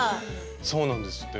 そうなんですって。